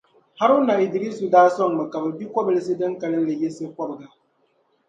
Haruna Idrisu daa soŋmi ka bi gbi kobilisi din kalinli yiɣisi kobiga.